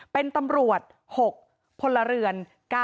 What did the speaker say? เป็นตำรวจ๖พลเรือน๙